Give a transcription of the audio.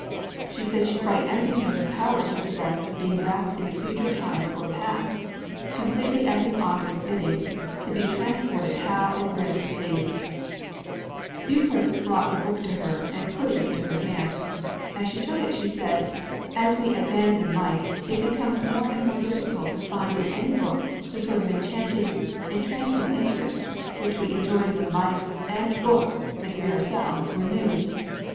She said she quite envied him the power he possessed of being rapt into future times or past, completely at his author's bidding, to be transported how and where he pleased. Beauclerc brought the book to her, and put it into her hand. As she took it she said, "As we advance in life, it becomes more and more difficult to find in any book the sort of enchanting, entrancing interest which we enjoyed when life, and, books, and we ourselves were new.